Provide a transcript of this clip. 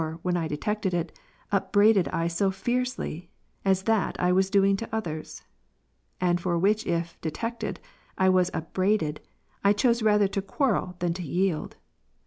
CONF. Avhen I detected it, upbraided I so fiercely, as that I was ^'• doing to others? and for which, if detected, I was upbraided, I chose rather to quarrel, than to yield.